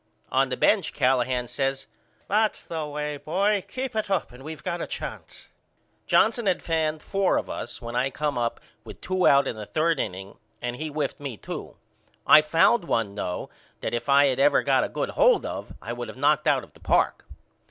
On th bench Callahan says That's the way, boy. Keep that up and we got a chance. Johnson had fanned four of us when I come up with two out in the third inning and he whiffed me to. I fouled one though that if I had ever got a good hold of I would of knocked out of the park.